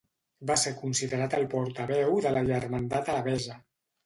Va ser considerat el portaveu de la germandat alabesa.